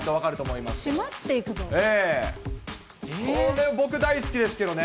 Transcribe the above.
これ、僕、大好きですけどね。